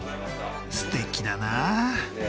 すてきだな。